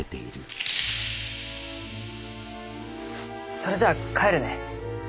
それじゃあ帰るね。